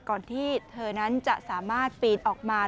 ก่อนที่เธอนั้นจะสามารถปีนออกมา